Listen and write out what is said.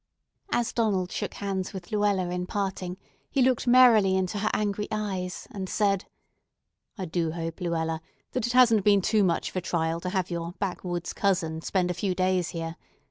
As Donald shook hands with Luella in parting, he looked merrily into her angry eyes, and said: "I do hope, Luella, that it hasn't been too much of a trial to have your 'backwoods cousin' spend a few days here.